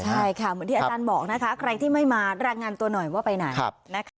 ใช่ค่ะเหมือนที่อาจารย์บอกนะคะใครที่ไม่มารายงานตัวหน่อยว่าไปไหนนะคะ